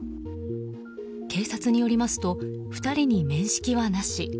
警察によりますと２人に面識はなし。